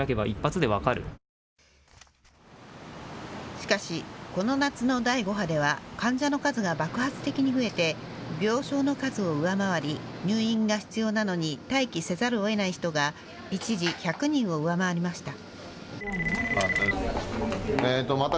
しかし、この夏の第５波では患者の数が爆発的に増えて病床の数を上回り、入院が必要なのに待機せざるをえない人が一時１００人を上回りました。